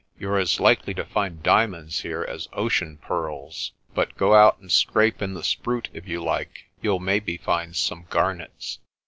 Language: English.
You're as likely to find diamonds here as ocean pearls. But go out and scrape in the spruit if you like; you'll maybe find some garnets."